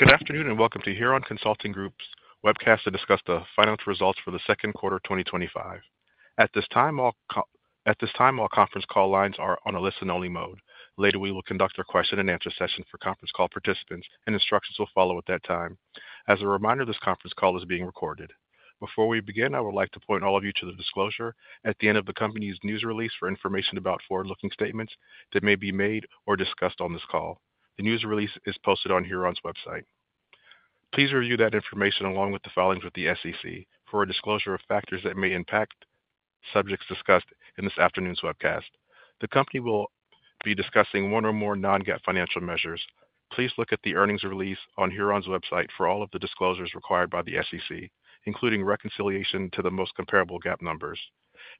Good afternoon and welcome to Huron Consulting Group's webcast to discuss the financial results for the second quarter of 2025. At this time, all conference call lines are on a listen-only mode. Later, we will conduct our question-and-answer session for conference call participants, and instructions will follow at that time. As a reminder, this conference call is being recorded. Before we begin, I would like to point all of you to the disclosure at the end of the company's news release for information about forward-looking statements that may be made or discussed on this call. The news release is posted on Huron's website. Please review that information along with the filings with the SEC for a disclosure of factors that may impact subjects discussed in this afternoon's webcast. The company will be discussing one or more non-GAAP financial measures. Please look at the earnings release on Huron's website for all of the disclosures required by the SEC, including reconciliation to the most comparable GAAP numbers.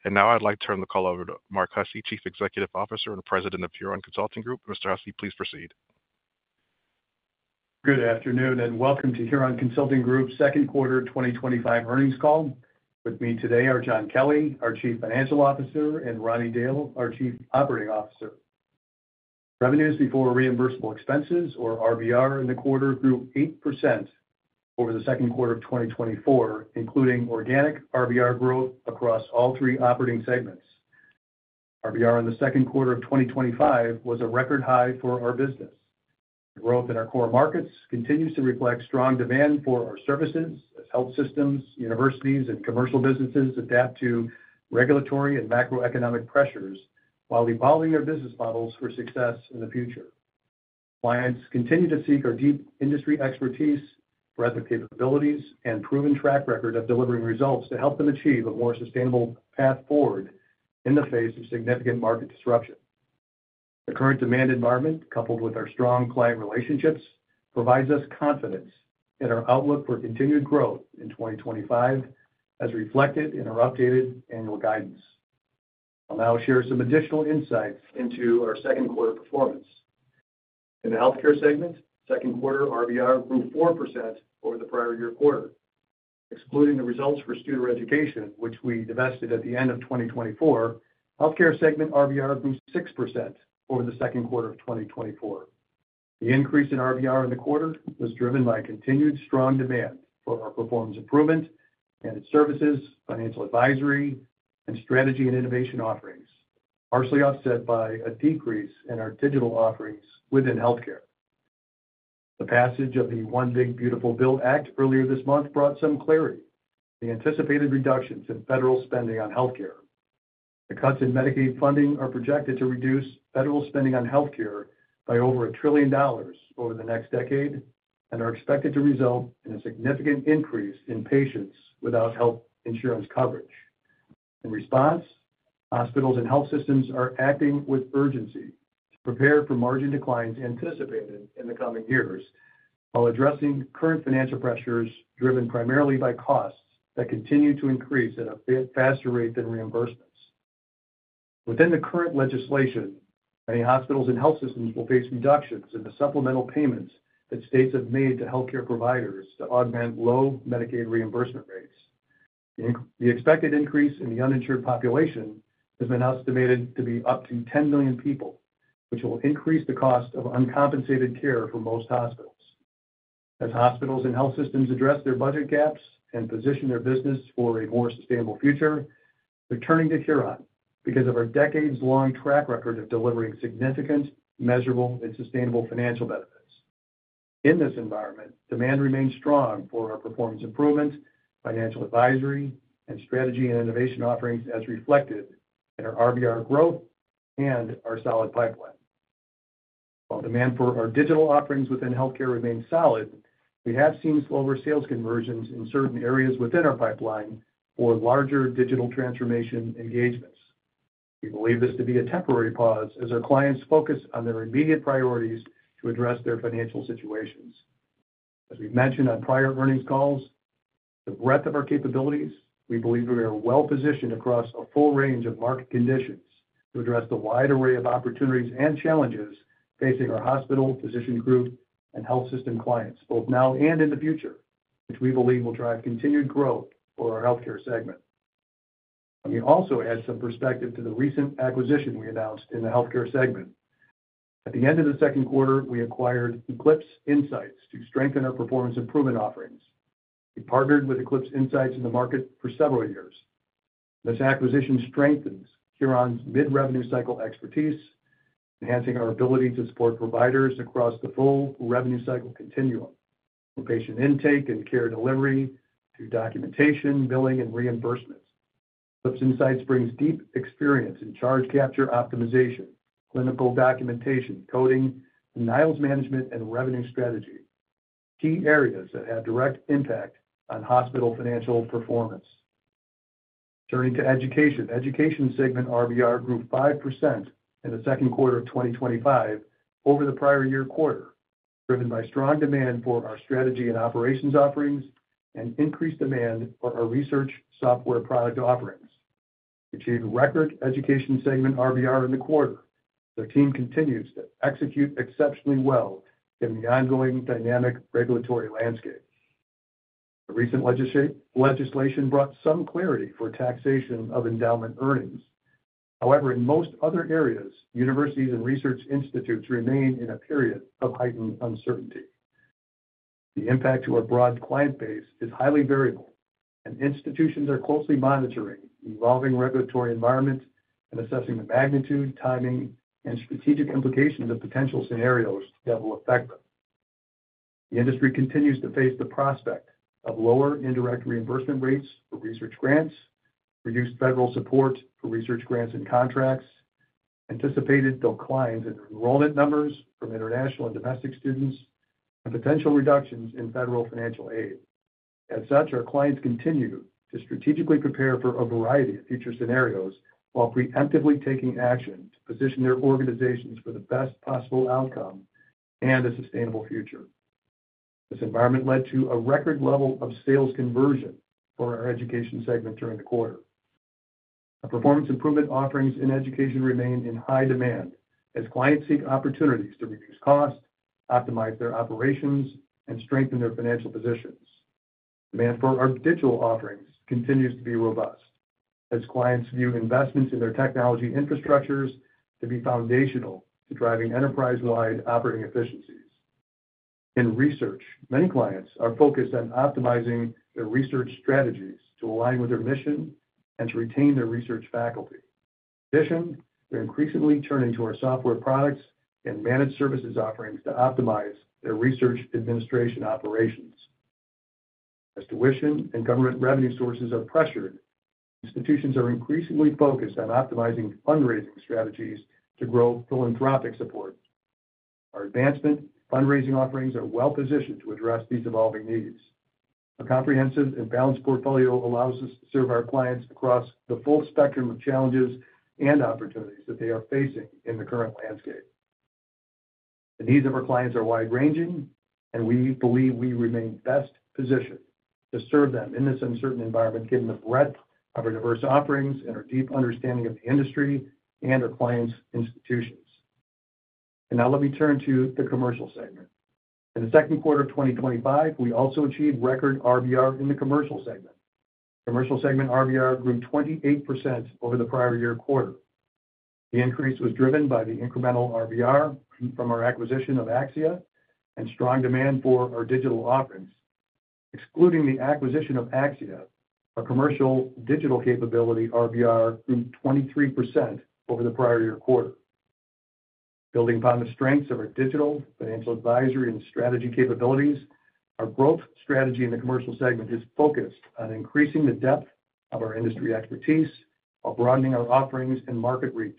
I would like to turn the call over to Mark Hussey, Chief Executive Officer and President of Huron Consulting Group. Mr. Hussey, please proceed. Good afternoon and welcome to Huron Consulting Group's second quarter 2025 earnings call. With me today are John Kelly, our Chief Financial Officer, and Ronnie Dale, our Chief Operating Officer. Revenues before reimbursable expenses, or RBR, in the quarter grew 8% over the second quarter of 2024, including organic RBR growth across all three operating segments. RBR in the second quarter of 2025 was a record high for our business. The growth in our core markets continues to reflect strong demand for our services as health systems, universities, and commercial businesses adapt to regulatory and macroeconomic pressures while evolving their business models for success in the future. Clients continue to seek our deep industry expertise, breadth of capabilities, and proven track record of delivering results to help them achieve a more sustainable path forward in the face of significant market disruption. The current demand environment, coupled with our strong client relationships, provides us confidence in our outlook for continued growth in 2025, as reflected in our updated annual guidance. I'll now share some additional insights into our second quarter performance. In the healthcare segment, second quarter RBR grew 4% over the prior year quarter. Excluding the results for Studer Education, which we divested at the end of 2024, healthcare segment RBR grew 6% over the second quarter of 2024. The increase in RBR in the quarter was driven by continued strong demand for our performance improvement and its services, financial advisory, and strategy and innovation offerings, partially offset by a decrease in our digital offerings within healthcare. The passage of the One Big Beautiful Bill Act earlier this month brought some clarity to the anticipated reductions in federal spending on healthcare. The cuts in Medicaid funding are projected to reduce federal spending on healthcare by over a trillion dollars over the next decade and are expected to result in a significant increase in patients without health insurance coverage. In response, hospitals and health systems are acting with urgency to prepare for margin declines anticipated in the coming years while addressing current financial pressures driven primarily by costs that continue to increase at a faster rate than reimbursements. Within the current legislation, many hospitals and health systems will face reductions in the supplemental payments that states have made to healthcare providers to augment low Medicaid reimbursement rates. The expected increase in the uninsured population has been estimated to be up to 10 million people, which will increase the cost of uncompensated care for most hospitals. As hospitals and health systems address their budget gaps and position their business for a more sustainable future, they're turning to Huron because of our decades-long track record of delivering significant, measurable, and sustainable financial benefits. In this environment, demand remains strong for our performance improvement, financial advisory, and strategy and innovation offerings as reflected in our RBR growth and our solid pipeline. While demand for our digital offerings within healthcare remains solid, we have seen slower sales conversions in certain areas within our pipeline for larger digital transformation engagements. We believe this to be a temporary pause as our clients focus on their immediate priorities to address their financial situations. As we've mentioned on prior earnings calls, the breadth of our capabilities, we believe we are well positioned across a full range of market conditions to address the wide array of opportunities and challenges facing our hospital, physician group, and health system clients, both now and in the future, which we believe will drive continued growth for our healthcare segment. Let me also add some perspective to the recent acquisition we announced in the healthcare segment. At the end of the second quarter, we acquired Eclipse Insights to strengthen our performance improvement offerings. We partnered with Eclipse Insights in the market for several years. This acquisition strengthens Huron's mid-revenue cycle expertise, enhancing our ability to support providers across the full revenue cycle continuum, from patient intake and care delivery to documentation, billing, and reimbursements. Eclipse Insights brings deep experience in charge capture optimization, clinical documentation, coding, denials management, and revenue strategy, key areas that have direct impact on hospital financial performance. Turning to education, the education segment RBR grew 5% in the second quarter of 2025 over the prior year quarter, driven by strong demand for our strategy and operations offerings and increased demand for our research software product offerings. We achieved record education segment RBR in the quarter. The team continues to execute exceptionally well given the ongoing dynamic regulatory landscape. The recent legislation brought some clarity for taxation of endowment earnings. However, in most other areas, universities and research institutes remain in a period of heightened uncertainty. The impact to our broad client base is highly variable, and institutions are closely monitoring the evolving regulatory environment and assessing the magnitude, timing, and strategic implications of potential scenarios that will affect them. The industry continues to face the prospect of lower indirect reimbursement rates for research grants, reduced federal support for research grants and contracts, anticipated declines in enrollment numbers from international and domestic students, and potential reductions in federal financial aid. As such, our clients continue to strategically prepare for a variety of future scenarios while preemptively taking action to position their organizations for the best possible outcome and a sustainable future. This environment led to a record level of sales conversion for our education segment during the quarter. Our performance improvement offerings in education remain in high demand as clients seek opportunities to reduce costs, optimize their operations, and strengthen their financial positions. Demand for our digital offerings continues to be robust as clients view investments in their technology infrastructures to be foundational to driving enterprise-wide operating efficiencies. In research, many clients are focused on optimizing their research strategies to align with their mission and to retain their research faculty. In addition, they're increasingly turning to our software products and managed services offerings to optimize their research administration operations. As tuition and government revenue sources are pressured, institutions are increasingly focused on optimizing fundraising strategies to grow philanthropic support. Our advancement fundraising offerings are well positioned to address these evolving needs. A comprehensive and balanced portfolio allows us to serve our clients across the full spectrum of challenges and opportunities that they are facing in the current landscape. The needs of our clients are wide-ranging, and we believe we remain best positioned to serve them in this uncertain environment, given the breadth of our diverse offerings and our deep understanding of the industry and our clients' institutions. Let me turn to the commercial segment. In the second quarter of 2025, we also achieved record RBR in the commercial segment. Commercial segment RBR grew 28% over the prior year quarter. The increase was driven by the incremental RBR from our acquisition of Axia and strong demand for our digital offerings. Excluding the acquisition of Axia, our commercial digital capability RBR grew 23% over the prior year quarter. Building upon the strengths of our digital financial advisory and strategy capabilities, our growth strategy in the commercial segment is focused on increasing the depth of our industry expertise while broadening our offerings and market reach,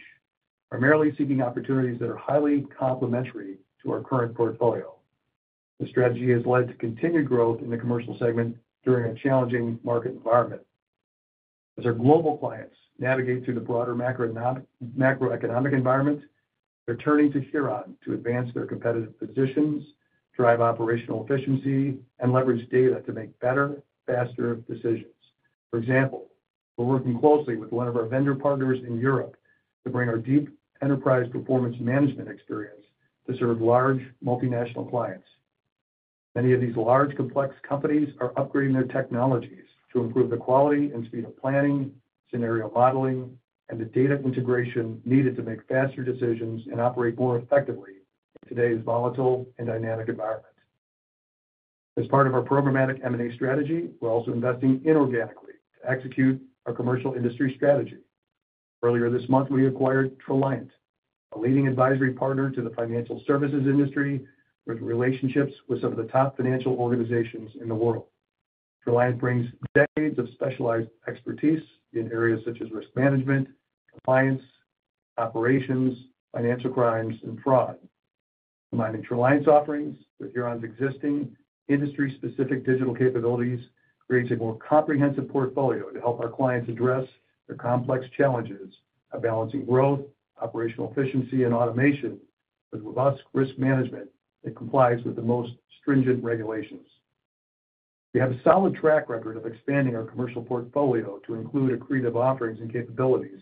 primarily seeking opportunities that are highly complementary to our current portfolio. The strategy has led to continued growth in the commercial segment during a challenging market environment. As our global clients navigate through the broader macroeconomic environment, they're turning to Huron to advance their competitive positions, drive operational efficiency, and leverage data to make better, faster decisions. For example, we're working closely with one of our vendor partners in Europe to bring our deep enterprise performance management experience to serve large multinational clients. Many of these large complex companies are upgrading their technologies to improve the quality and speed of planning, scenario modeling, and the data integration needed to make faster decisions and operate more effectively in today's volatile and dynamic environment. As part of our programmatic M&A strategy, we're also investing inorganically to execute our commercial industry strategy. Earlier this month, we acquired Trilliant, a leading advisory partner to the financial services industry, with relationships with some of the top financial organizations in the world. Trilliant brings decades of specialized expertise in areas such as risk management, compliance, operations, financial crimes, and fraud. Combining Trilliant's offerings with Huron's existing industry-specific digital capabilities creates a more comprehensive portfolio to help our clients address their complex challenges of balancing growth, operational efficiency, and automation with robust risk management and compliance with the most stringent regulations. We have a solid track record of expanding our commercial portfolio to include accretive offerings and capabilities,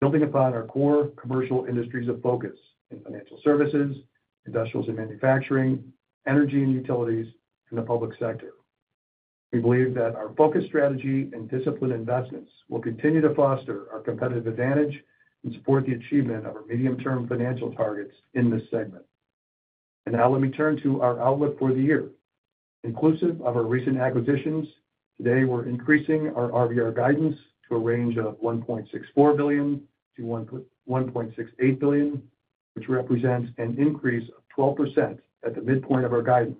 building upon our core commercial industries of focus in financial services, industrials and manufacturing, energy and utilities, and the public sector. We believe that our focus strategy and disciplined investments will continue to foster our competitive advantage and support the achievement of our medium-term financial targets in this segment. Let me turn to our outlook for the year. Inclusive of our recent acquisitions, today we're increasing our RBR guidance to a range of $1.64 billion-$1.68 billion, which represents an increase of 12% at the midpoint of our guidance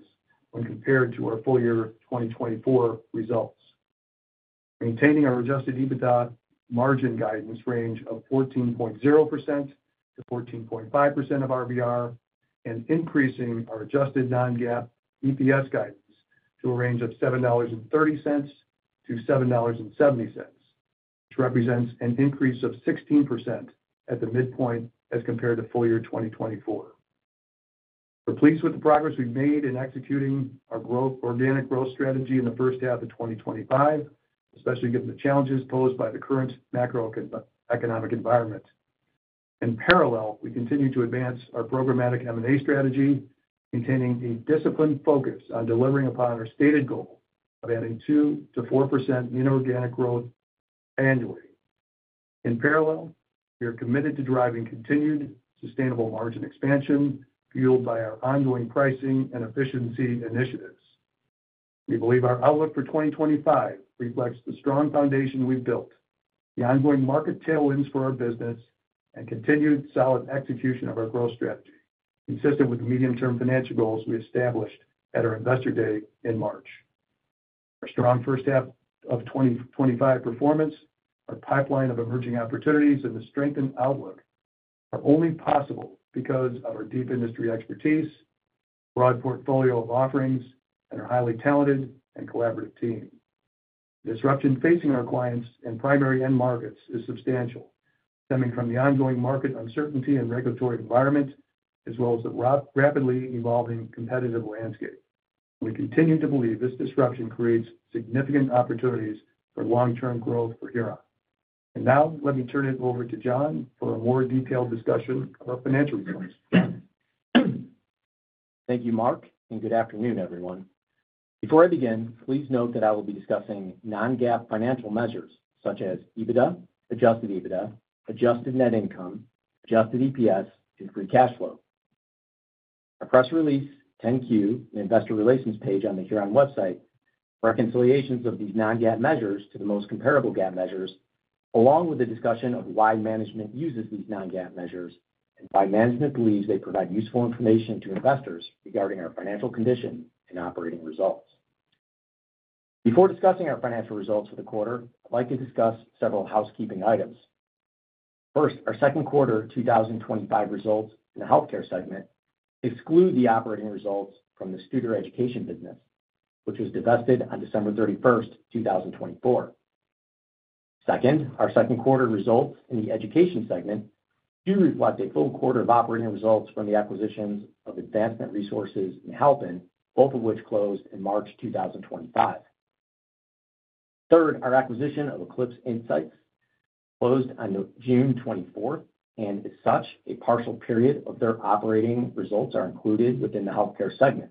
when compared to our full year 2024 results. We are maintaining our adjusted EBITDA margin guidance range of 14.0%-14.5% of RBR and increasing our adjusted non-GAAP EPS guidance to a range of $7.30-$7.70, which represents an increase of 16% at the midpoint as compared to full year 2024. We're pleased with the progress we've made in executing our organic growth strategy in the first half of 2025, especially given the challenges posed by the current macroeconomic environment. In parallel, we continue to advance our programmatic M&A strategy, maintaining a disciplined focus on delivering upon our stated goal of adding 2%-4% in organic growth annually. We are committed to driving continued sustainable margin expansion, fueled by our ongoing pricing and efficiency initiatives. We believe our outlook for 2025 reflects the strong foundation we've built, the ongoing market tailwinds for our business, and continued solid execution of our growth strategy, consistent with the medium-term financial goals we established at our investor day in March. Our strong first half of 2025 performance, our pipeline of emerging opportunities, and the strengthened outlook are only possible because of our deep industry expertise, broad portfolio of offerings, and our highly talented and collaborative team. The disruption facing our clients in primary end markets is substantial, stemming from the ongoing market uncertainty and regulatory environment, as well as the rapidly evolving competitive landscape. We continue to believe this disruption creates significant opportunities for long-term growth for Huron. Let me turn it over to John for a more detailed discussion of our financial results. John. Thank you, Mark, and good afternoon, everyone. Before I begin, please note that I will be discussing non-GAAP financial measures such as EBITDA, adjusted EBITDA, adjusted net income, adjusted EPS, and free cash flow. Our press release, 10-Q, and investor relations page on the Huron website include reconciliations of these non-GAAP measures to the most comparable GAAP measures, along with the discussion of why management uses these non-GAAP measures and why management believes they provide useful information to investors regarding our financial condition and operating results. Before discussing our financial results for the quarter, I'd like to discuss several housekeeping items. First, our second quarter 2025 results in the healthcare segment exclude the operating results from the Studer Education business, which was divested on December 31, 2024. Second, our second quarter results in the education segment do reflect a full quarter of operating results from the acquisitions of Advancement Resources and Health Inn, both of which closed in March 2025. Third, our acquisition of Eclipse Insights closed on June 24, and as such, a partial period of their operating results are included within the healthcare segment.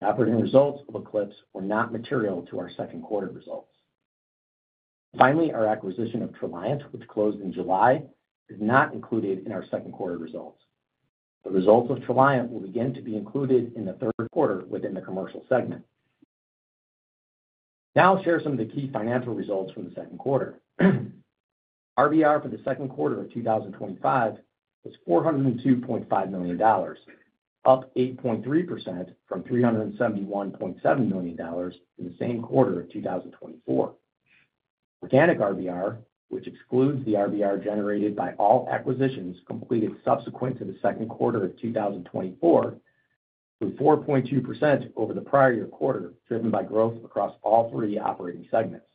The operating results of Eclipse Insights were not material to our second quarter results. Finally, our acquisition of Trilliant, which closed in July, is not included in our second quarter results. The results of Trilliant will begin to be included in the third quarter within the commercial segment. Now I'll share some of the key financial results from the second quarter. RBR for the second quarter of 2025 was $402.5 million, up 8.3% from $371.7 million in the same quarter of 2024. Organic RBR, which excludes the RBR generated by all acquisitions completed subsequent to the second quarter of 2024, grew 4.2% over the prior year quarter, driven by growth across all three operating segments.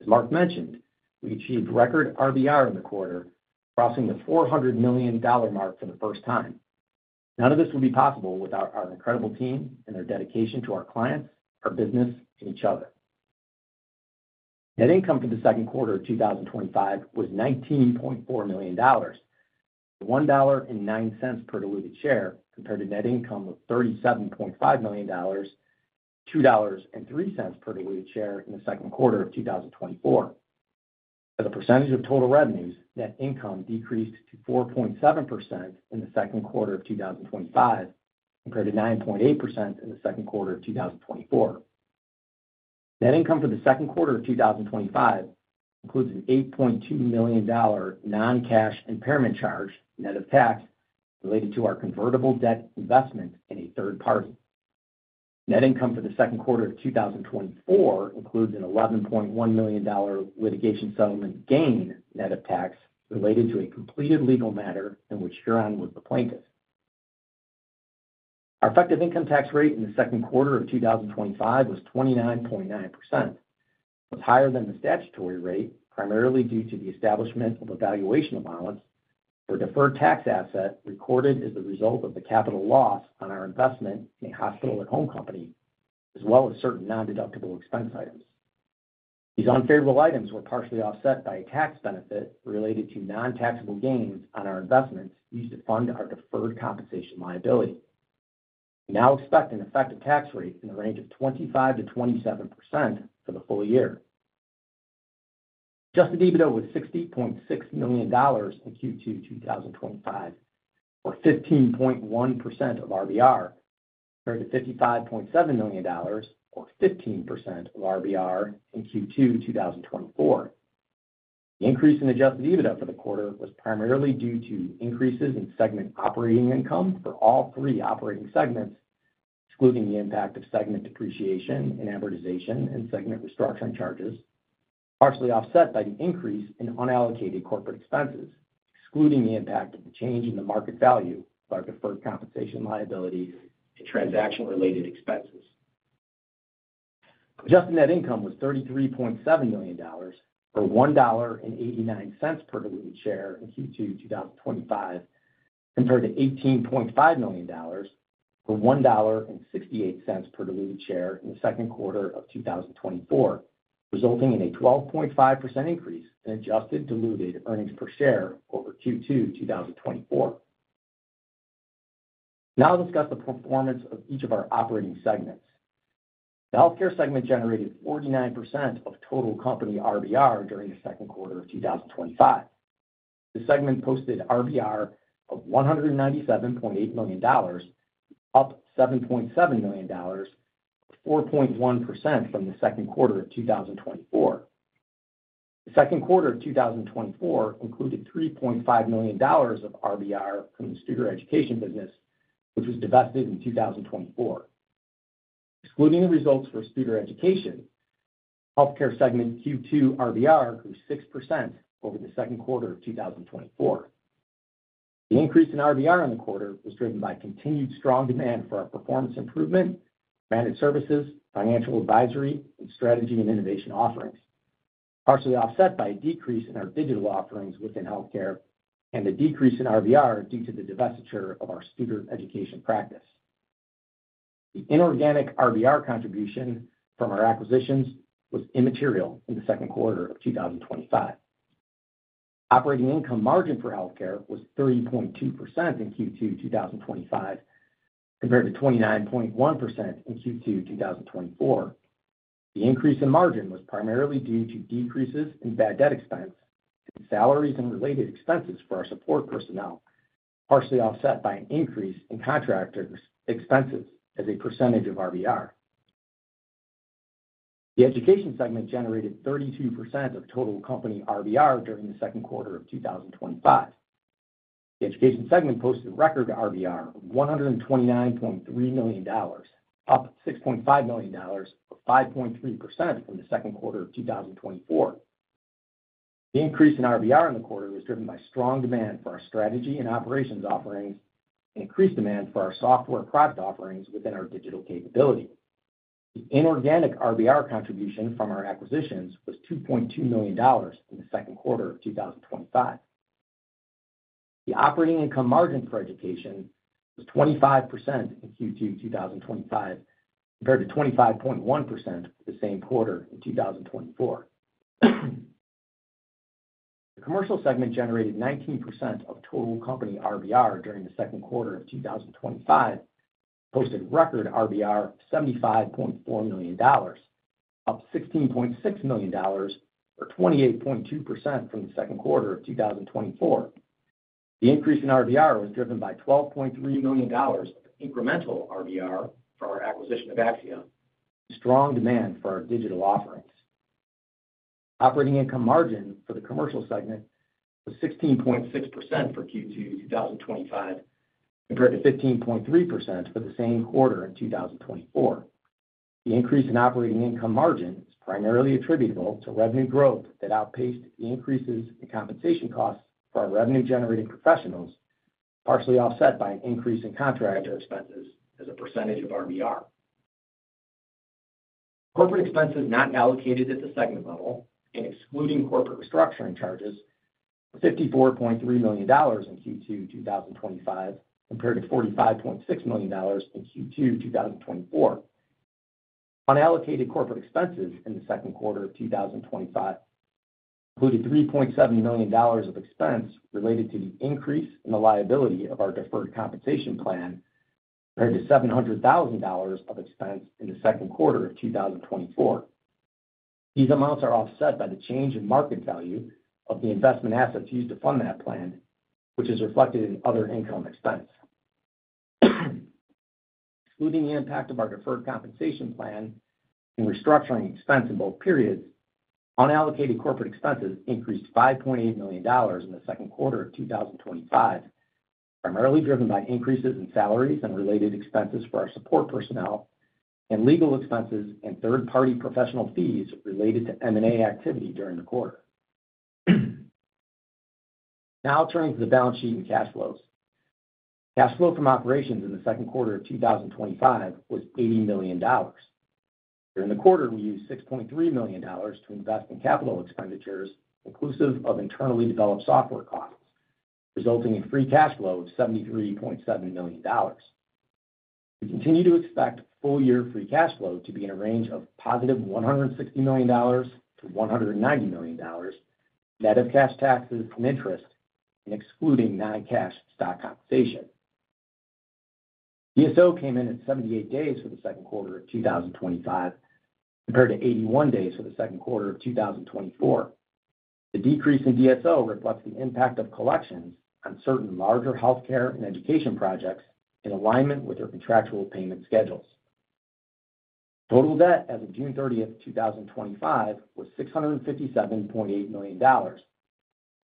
As Mark mentioned, we achieved record RBR in the quarter, crossing the $400 million mark for the first time. None of this would be possible without our incredible team and our dedication to our clients, our business, and each other. Net income for the second quarter of 2025 was $19.4 million, with $1.09 per diluted share compared to net income of $37.5 million, with $2.03 per diluted share in the second quarter of 2024. As a percentage of total revenues, net income decreased to 4.7% in the second quarter of 2025 compared to 9.8% in the second quarter of 2024. Net income for the second quarter of 2025 includes an $8.2 million non-cash impairment charge, net of tax, related to our convertible debt investment in a third party. Net income for the second quarter of 2024 includes an $11.1 million litigation settlement gain, net of tax, related to a completed legal matter in which Huron Consulting Group was the plaintiff. Our effective income tax rate in the second quarter of 2025 was 29.9%. It was higher than the statutory rate, primarily due to the establishment of a valuation allowance for a deferred tax asset recorded as the result of the capital loss on our investment in a hospital at home company, as well as certain non-deductible expense items. These unfavorable items were partially offset by a tax benefit related to non-taxable gains on our investments used to fund our deferred compensation liability. We now expect an effective tax rate in the range of 25%-27% for the full year. Adjusted EBITDA was $60.6 million in Q2 2025, or 15.1% of RBR, compared to $55.7 million, or 15% of RBR in Q2 2024. The increase in adjusted EBITDA for the quarter was primarily due to increases in segment operating income for all three operating segments, excluding the impact of segment depreciation and amortization and segment restructuring charges, partially offset by the increase in unallocated corporate expenses, excluding the impact of the change in the market value of our deferred compensation liabilities and transaction-related expenses. Adjusted net income was $33.7 million, or $1.89 per diluted share in Q2 2025, compared to $18.5 million, or $1.68 per diluted share in the second quarter of 2024, resulting in a 12.5% increase in adjusted diluted earnings per share over Q2 2024. Now I'll discuss the performance of each of our operating segments. The healthcare segment generated 49% of total company RBR during the second quarter of 2025. The segment posted RBR of $197.8 million, up $7.7 million, 4.1% from the second quarter of 2024. The second quarter of 2024 included $3.5 million of RBR from the student education business, which was divested in 2024. Excluding the results for student education, the healthcare segment Q2 RBR grew 6% over the second quarter of 2024. The increase in RBR in the quarter was driven by continued strong demand for our performance improvement, managed services, financial advisory, and strategy and innovation offerings, partially offset by a decrease in our digital offerings within healthcare and a decrease in RBR due to the divestiture of our student education practice. The inorganic RBR contribution from our acquisitions was immaterial in the second quarter of 2025. Operating income margin for healthcare was 30.2% in Q2 2025, compared to 29.1% in Q2 2024. The increase in margin was primarily due to decreases in bad debt expense and salaries and related expenses for our support personnel, partially offset by an increase in contractors' expenses as a percentage of RBR. The education segment generated 32% of total company RBR during the second quarter of 2025. The education segment posted record RBR of $129.3 million, up $6.5 million, or 5.3% from the second quarter of 2024. The increase in RBR in the quarter was driven by strong demand for our strategy and operations offerings and increased demand for our software product offerings within our digital capability. The inorganic RBR contribution from our acquisitions was $2.2 million in the second quarter of 2025. The operating income margin for education was 25% in Q2 2025, compared to 25.1% the same quarter in 2024. The commercial segment generated 19% of total company RBR during the second quarter of 2025, posted record RBR of $75.4 million, up $16.6 million, or 28.2% from the second quarter of 2024. The increase in RBR was driven by $12.3 million of incremental RBR for our acquisition of Axia and strong demand for our digital offerings. Operating income margin for the commercial segment was 16.6% for Q2 2025, compared to 15.3% for the same quarter in 2024. The increase in operating income margin is primarily attributable to revenue growth that outpaced the increases in compensation costs for our revenue-generating professionals, partially offset by an increase in contractor expenses as a percentage of RBR. Corporate expenses not allocated at the segment level, and excluding corporate restructuring charges, were $54.3 million in Q2 2025, compared to $45.6 million in Q2 2024. Unallocated corporate expenses in the second quarter of 2025 included $3.7 million of expense related to the increase in the liability of our deferred compensation plan, compared to $0.7 million of expense in the second quarter of 2024. These amounts are offset by the change in market value of the investment assets used to fund that plan, which is reflected in other income expense. Excluding the impact of our deferred compensation plan and restructuring expense in both periods, unallocated corporate expenses increased $5.8 million in the second quarter of 2025, primarily driven by increases in salaries and related expenses for our support personnel, legal expenses, and third-party professional fees related to M&A activity during the quarter. Now I'll turn to the balance sheet and cash flows. Cash flow from operations in the second quarter of 2025 was $80 million. During the quarter, we used $6.3 million to invest in capital expenditures, inclusive of internally developed software costs, resulting in free cash flow of $73.7 million. We continue to expect full-year free cash flow to be in a range of+$160 million to $190 million, net of cash taxes and interest, and excluding non-cash stock compensation. DSO came in at 78 days for the second quarter of 2025, compared to 81 days for the second quarter of 2024. The decrease in DSO reflects the impact of collections on certain larger healthcare and education projects in alignment with their contractual payment schedules. Total debt as of June 30, 2025 was $657.8 million,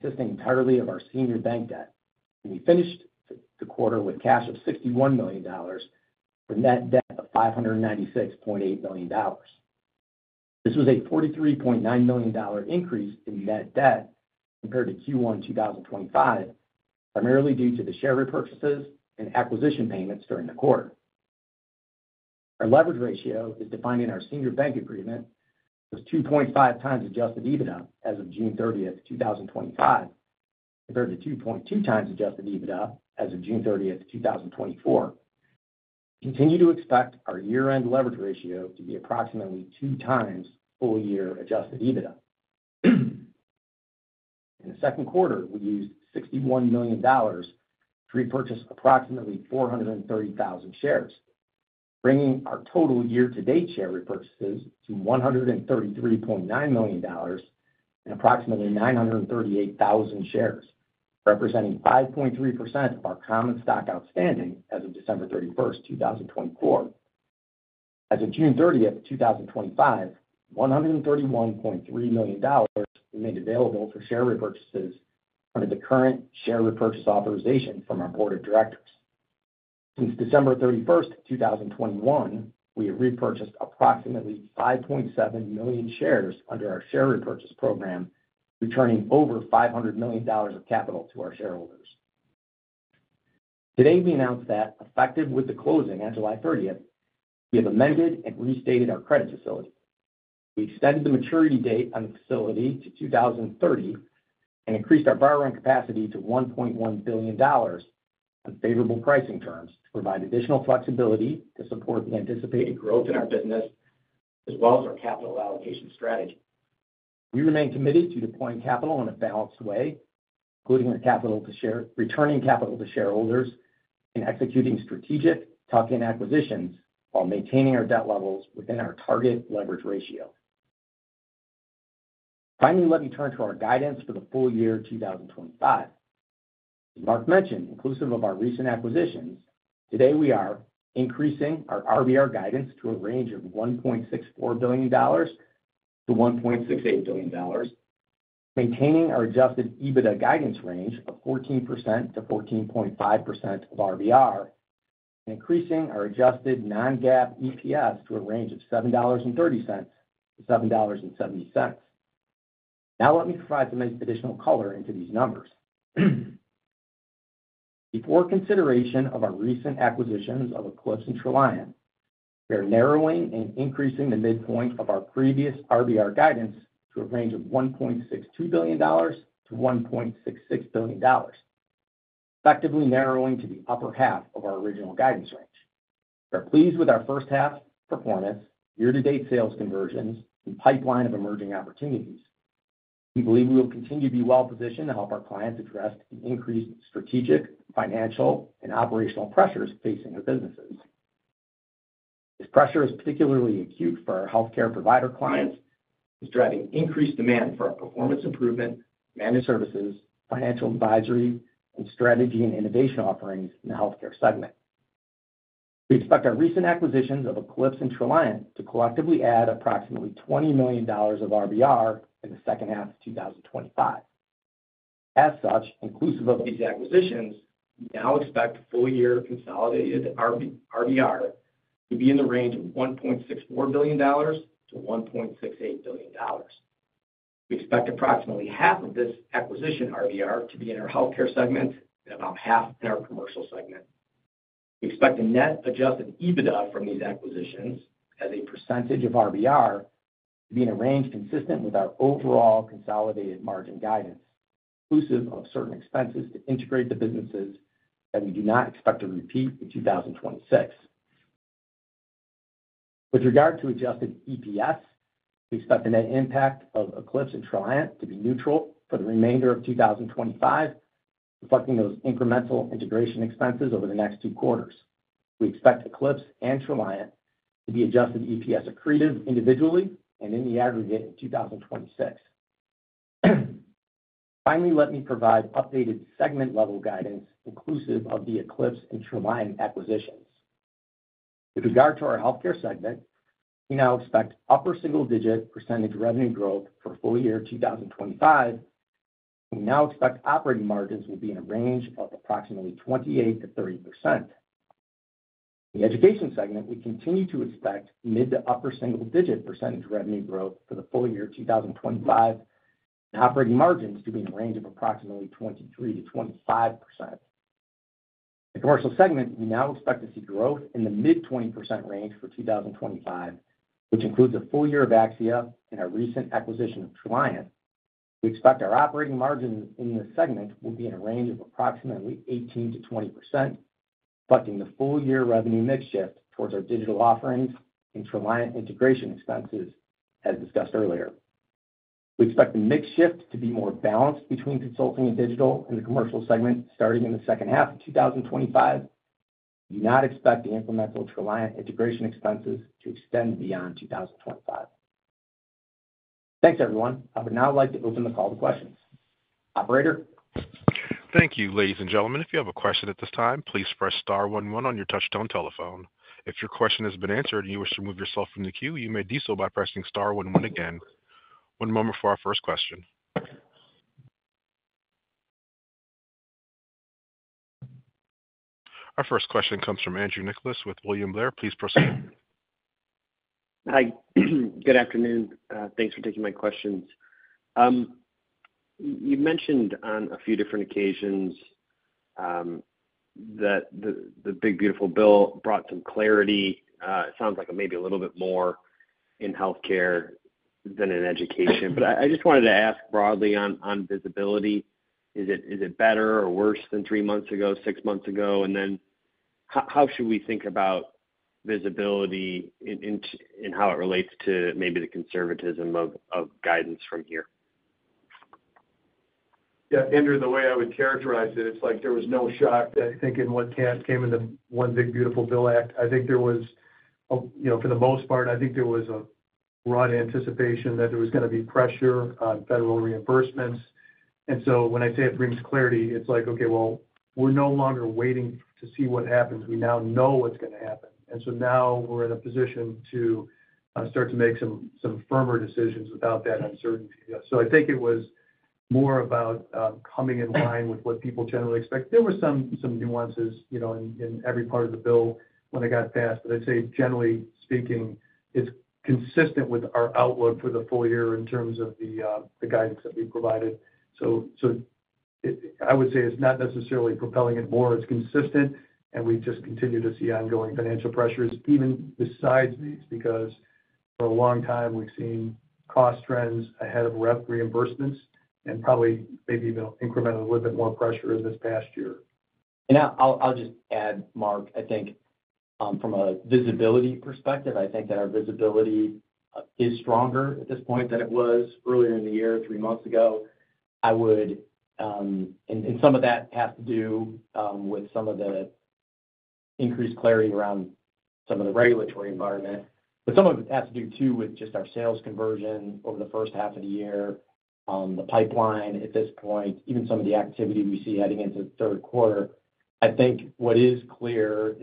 consisting entirely of our senior bank debt, and we finished the quarter with cash of $61 million for net debt of $596.8 million. This was a $43.9 million increase in net debt compared to Q1 2025, primarily due to the share repurchases and acquisition payments during the quarter. Our leverage ratio, as defined in our senior bank agreement, was 2.5 times adjusted EBITDA as of June 30, 2025, compared to 2.2 times adjusted EBITDA as of June 30, 2024. We continue to expect our year-end leverage ratio to be approximately two times full-year adjusted EBITDA. In the second quarter, we used $61 million to repurchase approximately 430,000 shares, bringing our total year-to-date share repurchases to $133.9 million and approximately 938,000 shares, representing 5.3% of our common stock outstanding as of December 31, 2024. As of June 30, 2025, $131.3 million was made available for share repurchases under the current share repurchase authorization from our board of directors. Since December 31, 2021, we have repurchased approximately 5.7 million shares under our share repurchase program, returning over $500 million of capital to our shareholders. Today, we announced that effective with the closing on July 30, we have amended and restated our credit facility. We extended the maturity date on the facility to 2030 and increased our borrowing capacity to $1.1 billion on favorable pricing terms to provide additional flexibility to support the anticipated growth in our business, as well as our capital allocation strategy. We remain committed to deploying capital in a balanced way, including our capital to share returning capital to shareholders and executing strategic tuck-in acquisitions while maintaining our debt levels within our target leverage ratio. Finally, let me turn to our guidance for the full year 2025. As Mark Hussey mentioned, inclusive of our recent acquisitions, today we are increasing our RBR guidance to a range of $1.64 billion-$1.68 billion, maintaining our adjusted EBITDA guidance range of 14%-14.5% of RBR, and increasing our adjusted non-GAAP EPS to a range of $7.30-$7.70. Now let me provide some additional color into these numbers. Before consideration of our recent acquisitions of Eclipse Insights and Trilliant, we are narrowing and increasing the midpoint of our previous RBR guidance to a range of $1.62 billion-$1.66 billion, effectively narrowing to the upper half of our original guidance range. We are pleased with our first half performance, year-to-date sales conversions, and pipeline of emerging opportunities. We believe we will continue to be well positioned to help our clients address the increased strategic, financial, and operational pressures facing our businesses. This pressure is particularly acute for our healthcare provider clients, which is driving increased demand for our performance improvement, managed services, financial advisory, and strategy and innovation offerings in the healthcare segment. We expect our recent acquisitions of Eclipse Insights and Trilliant to collectively add approximately $20 million of RBR in the second half of 2025. As such, inclusive of these acquisitions, we now expect full-year consolidated RBR to be in the range of $1.64 billion-$1.68 billion. We expect approximately half of this acquisition RBR to be in our healthcare segment and about half in our commercial segment. We expect the net adjusted EBITDA from these acquisitions as a percentage of RBR to be in a range consistent with our overall consolidated margin guidance, inclusive of certain expenses to integrate the businesses that we do not expect to repeat in 2026. With regard to adjusted EPS, we expect the net impact of Eclipse and Trilliant to be neutral for the remainder of 2025, reflecting those incremental integration expenses over the next two quarters. We expect Eclipse and Trilliant to be adjusted EPS accretive individually and in the aggregate in 2026. Finally, let me provide updated segment-level guidance, inclusive of the Eclipse and Trilliant acquisitions. With regard to our healthcare segment, we now expect upper single-digit percent revenue growth for full year 2025. We now expect operating margins will be in a range of approximately 28%-30%. In the education segment, we continue to expect mid to upper single-digit % revenue growth for the full year 2025, and operating margins to be in a range of approximately 23%-25%. In the commercial segment, we now expect to see growth in the mid-20% range for 2025, which includes a full year of Axia and our recent acquisition of Trilliant. We expect our operating margins in this segment will be in a range of approximately 18%-20%, reflecting the full-year revenue mix shift towards our digital offerings and Trilliant integration expenses, as discussed earlier. We expect the mix shift to be more balanced between consulting and digital in the commercial segment starting in the second half of 2025. We do not expect the incremental Trilliant integration expenses to extend beyond 2025. Thanks, everyone. I would now like to open the call to questions. Operator. Thank you, ladies and gentlemen. If you have a question at this time, please press star one-one on your touch-tone telephone. If your question has been answered and you wish to move yourself from the queue, you may do so by pressing star one-one again. One moment for our first question. Our first question comes from Andrew Nicholas with William Blair. Please proceed. Hi. Good afternoon. Thanks for taking my questions. You mentioned on a few different occasions that the Big Beautiful Bill brought some clarity. It sounds like maybe a little bit more in healthcare than in education. I just wanted to ask broadly on visibility. Is it better or worse than three months ago, six months ago? How should we think about visibility and how it relates to maybe the conservatism of guidance from here? Yeah. Andrew, the way I would characterize it, it's like there was no shock that I think in what came in the one Big Beautiful Bill Act. I think there was, you know, for the most part, I think there was a broad anticipation that there was going to be pressure on federal reimbursements. When I say it brings clarity, it's like, okay, we're no longer waiting to see what happens. We now know what's going to happen, and now we're in a position to start to make some firmer decisions without that uncertainty. I think it was more about coming in line with what people generally expect. There were some nuances in every part of the bill when it got passed. I'd say, generally speaking, it's consistent with our outlook for the full year in terms of the guidance that we provided. I would say it's not necessarily propelling it more. It's consistent, and we just continue to see ongoing financial pressures even besides these because for a long time we've seen cost trends ahead of reimbursements and probably maybe even increment a little bit more pressure in this past year. I'll just add, Mark, I think from a visibility perspective, I think that our visibility is stronger at this point than it was earlier in the year, three months ago. Some of that has to do with some of the increased clarity around some of the regulatory environment. Some of it has to do, too, with just our sales conversion over the first half of the year, the pipeline at this point, even some of the activity we see heading into the third quarter. I think what is clear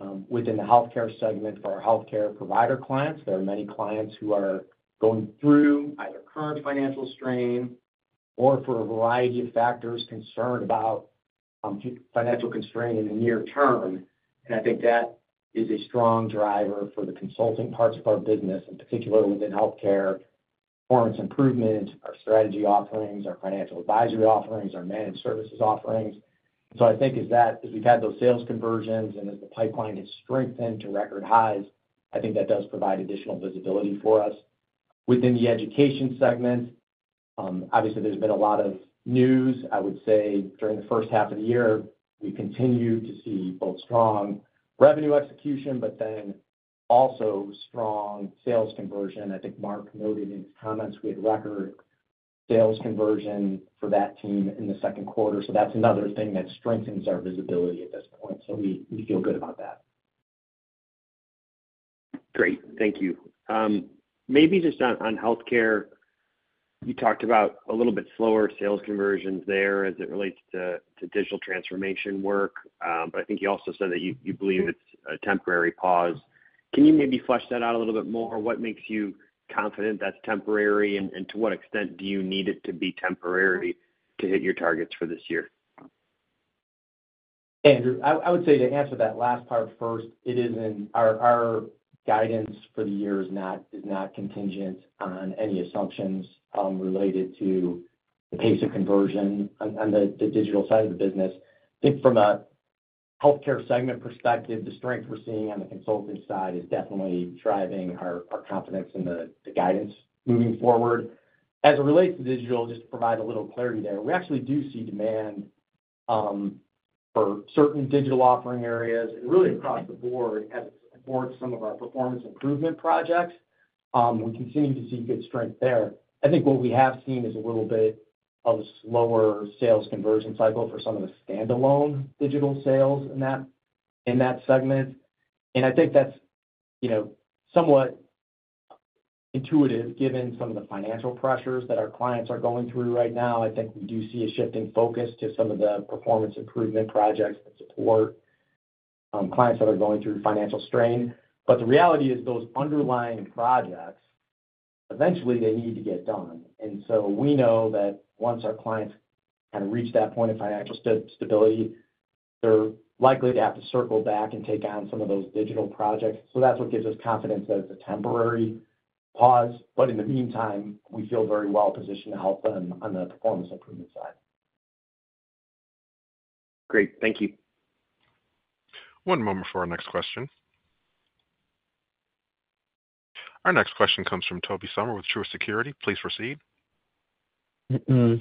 is that, within the healthcare segment for our healthcare provider clients, there are many clients who are going through either current financial strain or, for a variety of factors, concerned about financial constraint in the near term. I think that is a strong driver for the consulting parts of our business, in particular within healthcare, performance improvement, our strategy offerings, our financial advisory offerings, our managed services offerings. As we've had those sales conversions and as the pipeline has strengthened to record highs, I think that does provide additional visibility for us. Within the education segment, obviously, there's been a lot of news. I would say during the first half of the year, we continue to see both strong revenue execution, but then also strong sales conversion. I think Mark noted in his comments we had record sales conversion for that team in the second quarter. That's another thing that strengthens our visibility at this point. We feel good about that. Great. Thank you. Maybe just on healthcare, you talked about a little bit slower sales conversions there as it relates to digital transformation work. I think you also said that you believe it's a temporary pause. Can you maybe flesh that out a little bit more? What makes you confident that's temporary and to what extent do you need it to be temporary to hit your targets for this year? Andrew, I would say to answer that last part first, our guidance for the year is not contingent on any assumptions related to the pace of conversion on the digital side of the business. I think from a healthcare segment perspective, the strength we're seeing on the consulting side is definitely driving our confidence in the guidance moving forward. As it relates to digital, just to provide a little clarity there, we actually do see demand for certain digital offering areas and really across the board as it supports some of our performance improvement projects. We continue to see good strength there. I think what we have seen is a little bit of a slower sales conversion cycle for some of the standalone digital sales in that segment. I think that's somewhat intuitive given some of the financial pressures that our clients are going through right now. We do see a shift in focus to some of the performance improvement projects that support clients that are going through financial strain. The reality is those underlying projects, eventually, they need to get done. We know that once our clients reach that point of financial stability, they're likely to have to circle back and take on some of those digital projects. That's what gives us confidence that it's a temporary pause. In the meantime, we feel very well positioned to help them on the performance improvement side. Great. Thank you. One moment for our next question. Our next question comes from Tobey Sommer with Truist Securities. Please proceed. Thanks.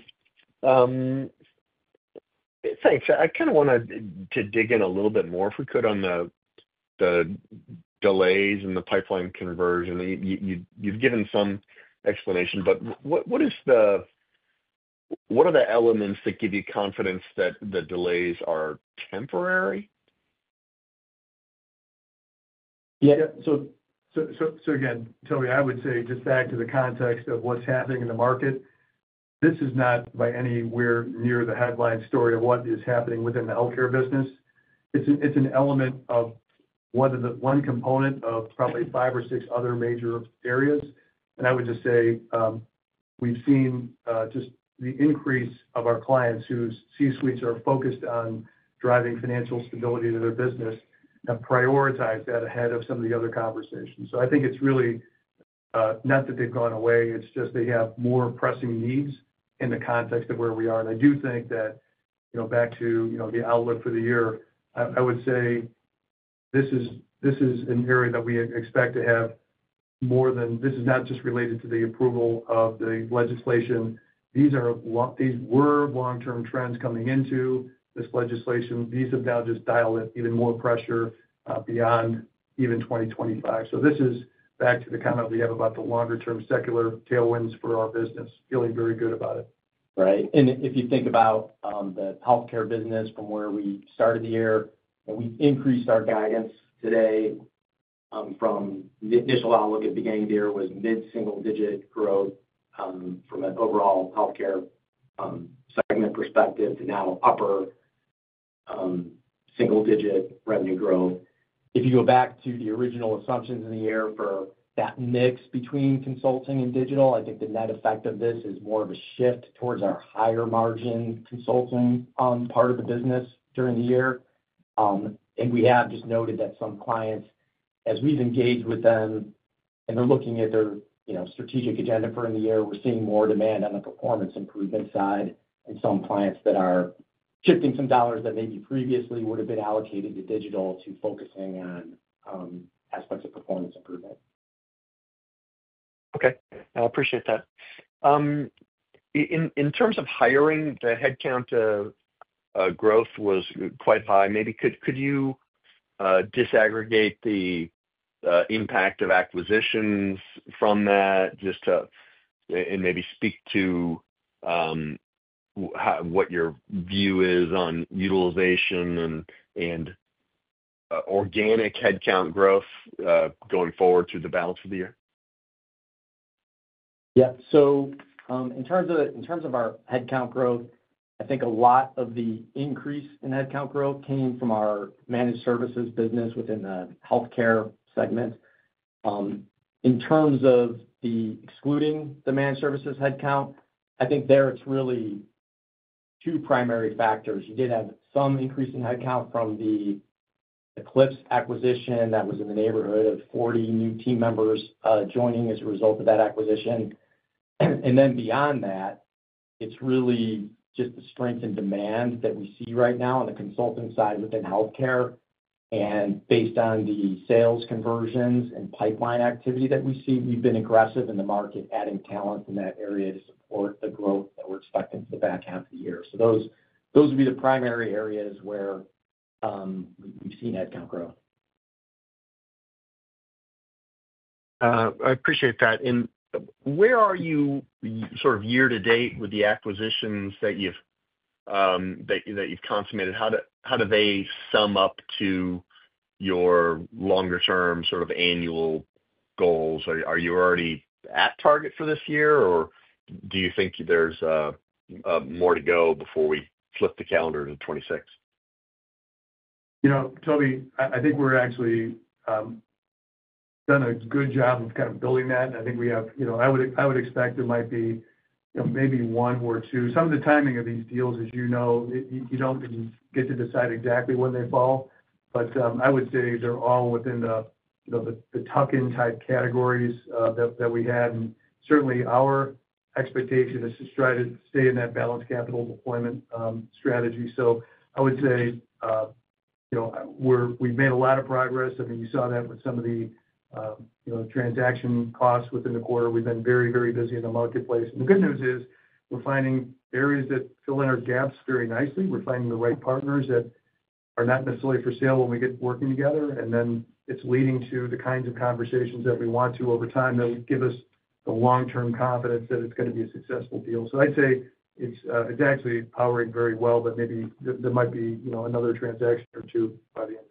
I wanted to dig in a little bit more if we could on the delays and the pipeline conversion. You've given some explanation, but what are the elements that give you confidence that the delays are temporary? Yeah, Tobey, I would say just back to the context of what's happening in the market, this is not by anywhere near the headline story of what is happening within the healthcare business. It's an element of one component of probably five or six other major areas. I would just say, we've seen the increase of our clients whose C-suites are focused on driving financial stability to their business have prioritized that ahead of some of the other conversations. I think it's really not that they've gone away. It's just they have more pressing needs in the context of where we are. I do think that, back to the outlook for the year, I would say this is an area that we expect to have more than this is not just related to the approval of the legislation. These were long-term trends coming into this legislation. These have now just dialed in even more pressure, beyond even 2025. This is back to the comment we have about the longer-term secular tailwinds for our business, feeling very good about it. Right. If you think about the healthcare business from where we started the year, we've increased our guidance today from the initial outlook at the beginning of the year, which was mid-single-digit growth from an overall healthcare segment perspective, to now upper single-digit revenue growth. If you go back to the original assumptions in the year for that mix between consulting and digital, I think the net effect of this is more of a shift towards our higher margin consulting part of the business during the year. We have just noted that some clients, as we've engaged with them and they're looking at their strategic agenda for the year, we're seeing more demand on the performance improvement side and some clients that are shifting some dollars that maybe previously would have been allocated to digital to focusing on aspects of performance improvement. Okay. I appreciate that. In terms of hiring, the headcount growth was quite high. Maybe could you disaggregate the impact of acquisitions from that, and maybe speak to what your view is on utilization and organic headcount growth going forward through the balance of the year? Yeah. In terms of our headcount growth, I think a lot of the increase in headcount growth came from our managed services business within the healthcare segment. In terms of excluding the managed services headcount, I think there it's really two primary factors. You did have some increase in headcount from the Eclipse Insights acquisition that was in the neighborhood of 40 new team members joining as a result of that acquisition. Beyond that, it's really just the strength and demand that we see right now on the consulting side within healthcare. Based on the sales conversions and pipeline activity that we see, we've been aggressive in the market, adding talent in that area to support the growth that we're expecting for the back half of the year. Those would be the primary areas where we've seen headcount growth. I appreciate that. Where are you sort of year to date with the acquisitions that you've consummated? How do they sum up to your longer-term sort of annual goals? Are you already at target for this year, or do you think there's more to go before we flip the calendar to 2026? You know. Tobey, I think we've actually done a good job of kind of building that. I think we have, you know, I would expect there might be, you know, maybe one or two. Some of the timing of these deals, as you know, you don't get to decide exactly when they fall. I would say they're all within the, you know, the tuck-in type categories that we had. Certainly, our expectation is to try to stay in that balanced capital deployment strategy. I would say, you know, we've made a lot of progress. I mean, you saw that with some of the, you know, transaction costs within the quarter. We've been very, very busy in the marketplace. The good news is we're finding areas that fill in our gaps very nicely. We're finding the right partners that are not necessarily for sale when we get working together. It's leading to the kinds of conversations that we want to over time that would give us the long-term confidence that it's going to be a successful deal. I'd say it's actually powering very well, but maybe there might be, you know, another transaction or two by the end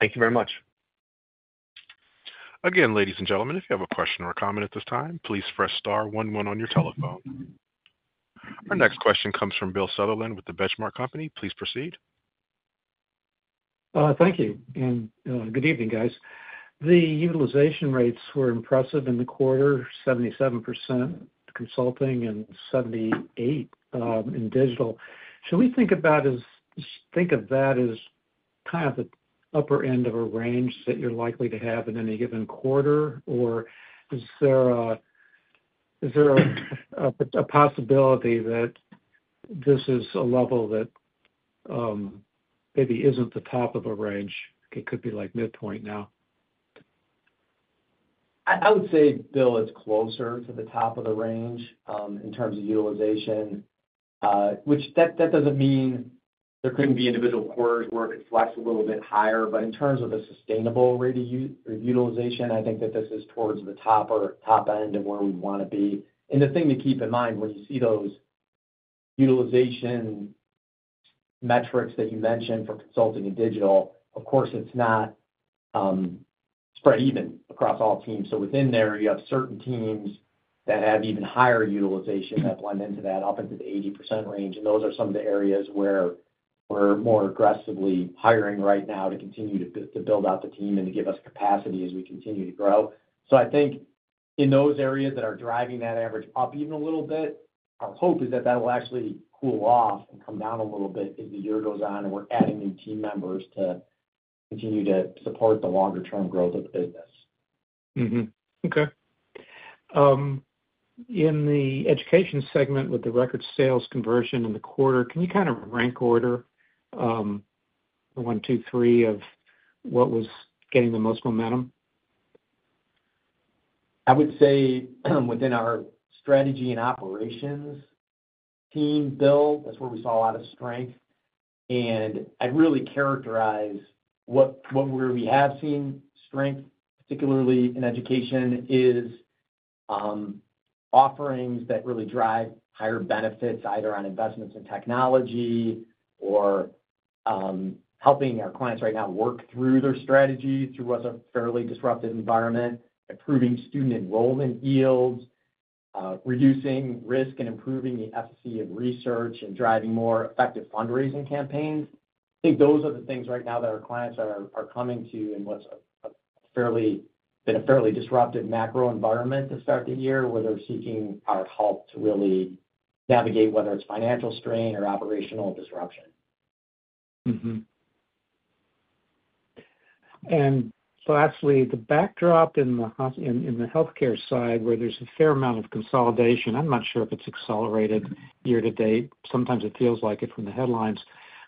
of the year. Thank you very much. Again, ladies and gentlemen, if you have a question or a comment at this time, please press star one-one on your telephone. Our next question comes from Bill Sutherland with The Benchmark Company. Please proceed. Thank you. Good evening, guys. The utilization rates were impressive in the quarter, 77% consulting and 78% in digital. Should we think about that as kind of the upper end of a range that you're likely to have in any given quarter, or is there a possibility that this is a level that maybe isn't the top of a range? It could be like midpoint now. I would say, Bill, it's closer to the top of the range in terms of utilization, which doesn't mean there couldn't be individual quarters where it could flex a little bit higher. In terms of the sustainable rate of utilization, I think that this is towards the top or top end of where we want to be. The thing to keep in mind when you see those utilization metrics that you mentioned for consulting and digital, of course, it's not spread even across all teams. Within there, you have certain teams that have even higher utilization that blend into that up into the 80% range. Those are some of the areas where we're more aggressively hiring right now to continue to build out the team and to give us capacity as we continue to grow. I think in those areas that are driving that average up even a little bit, our hope is that that will actually cool off and come down a little bit as the year goes on and we're adding new team members to continue to support the longer-term growth of the business. Okay. In the education segment, with the record sales conversion in the quarter, can you kind of rank order one, two, three of what was getting the most momentum? I would say within our Strategy and Operations team build, that's where we saw a lot of strength. I’d really characterize where we have seen strength, particularly in education, as offerings that really drive higher benefits, either on investments in technology or helping our clients right now work through their strategy through what's a fairly disruptive environment, improving student enrollment yields, reducing risk, and improving the efficacy of research and driving more effective fundraising campaigns. I think those are the things right now that our clients are coming to in what's been a fairly disruptive macro environment to start the year, where they're seeking our help to really navigate whether it's financial strain or operational disruption. Lastly, the backdrop in the healthcare side where there's a fair amount of consolidation, I'm not sure if it's accelerated year to date. Sometimes it feels like it from the headlines.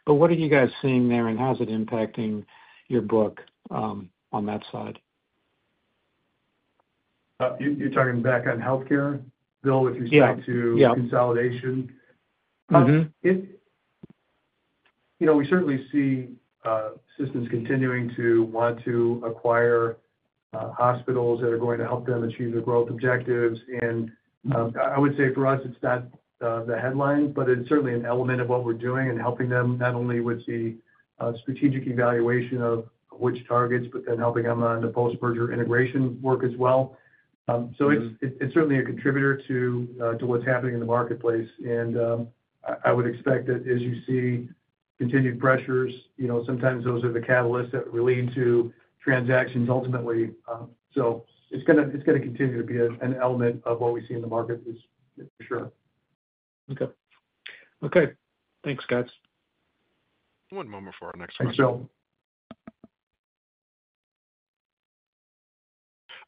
What are you guys seeing there and how is it impacting your book on that side? You're talking back on healthcare, Bill, with respect to consolidation? Yeah. We certainly see systems continuing to want to acquire hospitals that are going to help them achieve their growth objectives. I would say for us, it's not the headline, but it's certainly an element of what we're doing and helping them not only with the strategic evaluation of which targets, but then helping them on the post-merger integration work as well. It's certainly a contributor to what's happening in the marketplace. I would expect that as you see continued pressures, sometimes those are the catalysts that lead to transactions ultimately. It's going to continue to be an element of what we see in the market for sure. Okay. Thanks, guys. One moment for our next question. Thanks, Bill.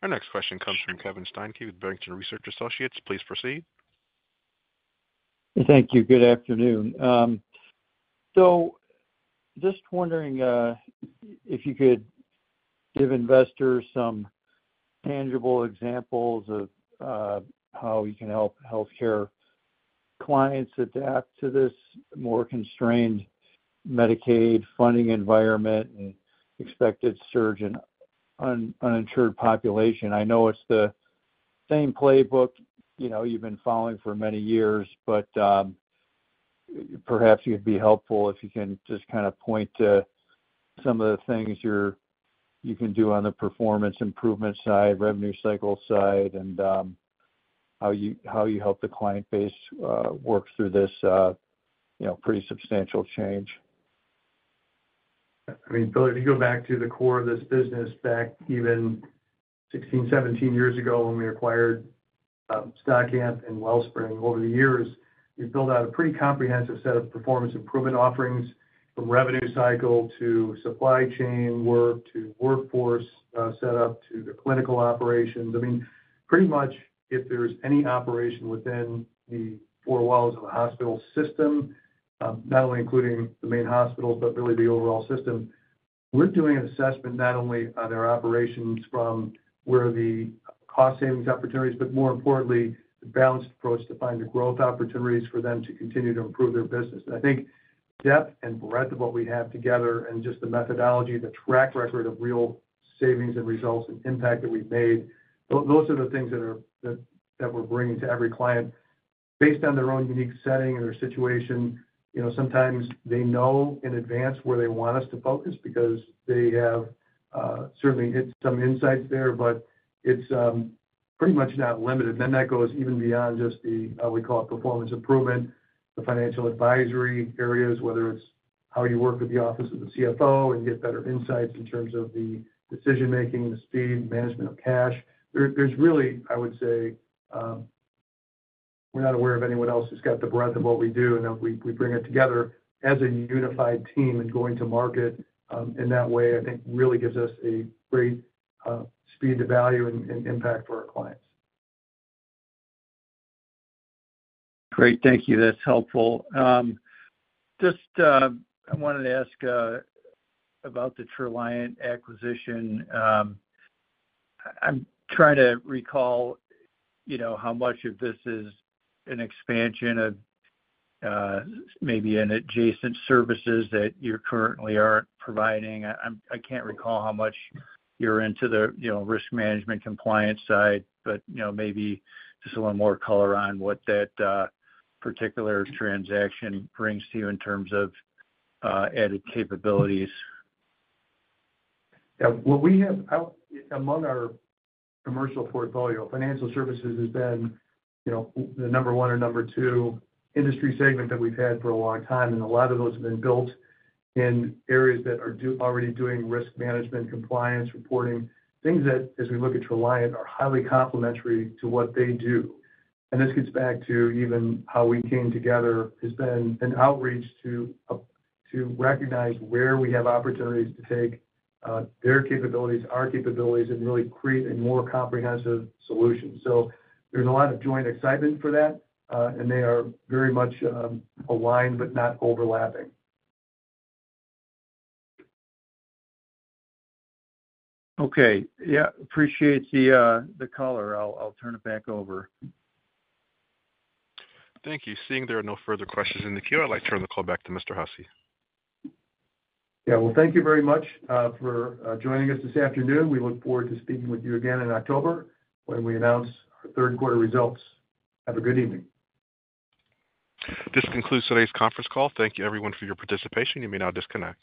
Our next question comes from Kevin Steinke with Barrington Research Associates. Please proceed. Thank you. Good afternoon. Just wondering if you could give investors some tangible examples of how you can help healthcare clients adapt to this more constrained Medicaid funding environment and expected surge in uninsured population. I know it's the same playbook you've been following for many years, but perhaps it would be helpful if you can just kind of point to some of the things you can do on the performance improvement side, revenue cycle side, and how you help the client base work through this pretty substantial change. I mean, Kevin, if you go back to the core of this business back even 16, 17 years ago when we acquired Scott Camp and Wellspring, over the years, we've built out a pretty comprehensive set of performance improvement offerings from revenue cycle to supply chain work to workforce setup to the clinical operations. Pretty much if there's any operation within the four walls of the hospital system, not only including the main hospitals, but really the overall system, we're doing an assessment not only on their operations from where the cost savings opportunities are, but more importantly, the balanced approach to find the growth opportunities for them to continue to improve their business. I think depth and breadth of what we have together and just the methodology, the track record of real savings and results and impact that we've made, those are the things that we're bringing to every client. Based on their own unique setting and their situation, sometimes they know in advance where they want us to focus because they have certainly hit some insights there, but it's pretty much not limited. That goes even beyond just the, how we call it, performance improvement, the financial advisory areas, whether it's how you work with the Office of the CFO and get better insights in terms of the decision-making and the speed and management of cash. There's really, I would say, we're not aware of anyone else who's got the breadth of what we do and that we bring it together as a unified team and going to market. In that way, I think really gives us a great speed to value and impact for our clients. Great. Thank you. That's helpful. I wanted to ask about the Trilliant acquisition. I'm trying to recall how much of this is an expansion of maybe an adjacent services that you currently aren't providing. I can't recall how much you're into the risk management compliance side, but maybe just a little more color on what that particular transaction brings to you in terms of added capabilities. What we have out among our commercial portfolio, financial services has been the number one or number two industry segment that we've had for a long time. A lot of those have been built in areas that are already doing risk management, compliance, reporting, things that, as we look at Trilliant, are highly complementary to what they do. This gets back to even how we came together, which has been an outreach to recognize where we have opportunities to take their capabilities, our capabilities, and really create a more comprehensive solution. There's a lot of joint excitement for that, and they are very much aligned but not overlapping. Okay. Appreciate the color. I'll turn it back over. Thank you. Seeing there are no further questions in the queue, I'd like to turn the call back to Mr. Hussey. Thank you very much for joining us this afternoon. We look forward to speaking with you again in October when we announce our third quarter results. Have a good evening. This concludes today's conference call. Thank you, everyone, for your participation. You may now disconnect.